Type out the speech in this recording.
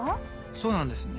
そうなんですね。